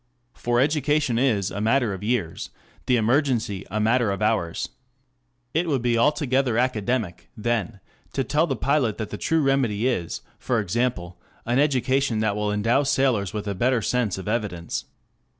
For education is a matter of years, the emergency a matter of hours. It would be altogether academic, then, to tell the pilot that the true remedy is, for example, an education that will endow sailors with a better sense of evidence.